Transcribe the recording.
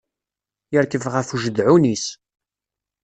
Yerkeb ɣef ujedɛun-is.